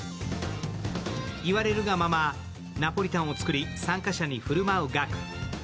言われるがままナポリタンを作り参加者に振る舞う岳。